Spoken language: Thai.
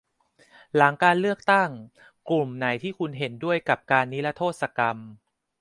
หลังการเลือกตั้ง กลุ่มไหนที่คุณเห็นด้วยกับการนิรโทษกรรม